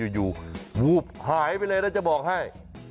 อยู่วูบหายไปเลยนะจะบอกให้